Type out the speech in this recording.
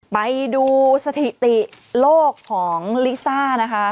ไปดูสถิติโลกของลิซ่านะคะ